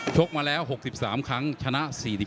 กมาแล้ว๖๓ครั้งชนะ๔๔